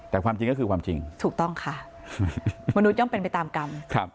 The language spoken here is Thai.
แต่ความจริงก็คือความจริงมนุษย์ย่อมเป็นไปตามกรรม